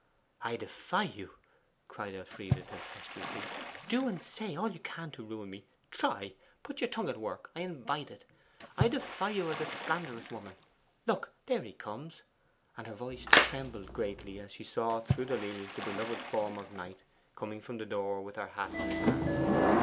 'I defy you!' cried Elfride tempestuously. 'Do and say all you can to ruin me; try; put your tongue at work; I invite it! I defy you as a slanderous woman! Look, there he comes.' And her voice trembled greatly as she saw through the leaves the beloved form of Knight coming from the door with her hat in his hand.